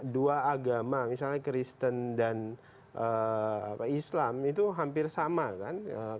dua agama misalnya kristen dan islam itu hampir sama kan